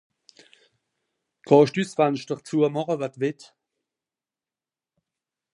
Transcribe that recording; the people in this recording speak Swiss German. Kann'sch s'Fenschter züemache wann's beliebt?